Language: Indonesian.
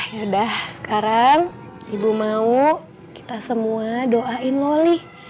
yaudah sekarang ibu mau kita semua doain loli